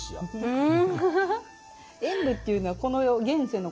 うん。